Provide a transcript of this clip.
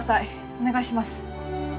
お願いします。